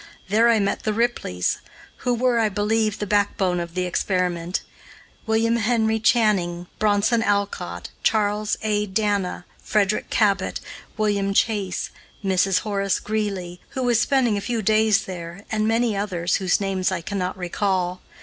There I met the Ripleys, who were, I believe, the backbone of the experiment, William Henry Channing, Bronson Alcott, Charles A. Dana, Frederick Cabot, William Chase, Mrs. Horace Greeley, who was spending a few days there, and many others, whose names I cannot recall.